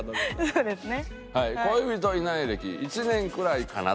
そうですね。